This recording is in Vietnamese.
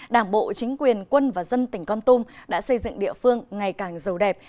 đảng bộ chính quyền quân và dân tỉnh con tum đã xây dựng địa phương ngày càng giàu đẹp